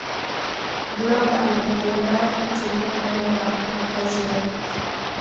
blob anapendelea kutulia ndani ya makazi yake